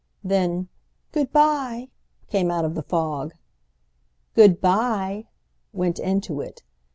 Then "Good bye!" came out of the fog. "Good bye!" went into it.